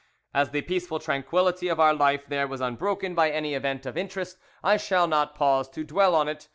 As the peaceful tranquillity of our life there was unbroken by any event of interest, I shall not pause to dwell on it.